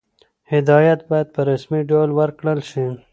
هدایت باید په رسمي ډول ورکړل شي.